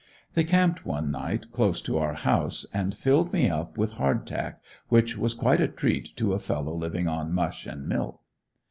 They camped one night close to our house and filled me up with hard tack, which was quite a treat to a fellow living on mush and milk.